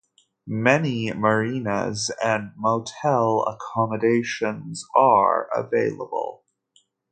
Many marinas and motel accommodations are available.